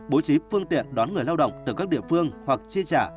bố trí phương tiện đón người lao động từ các địa phương hoặc chi trả